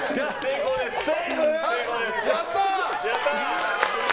やったー！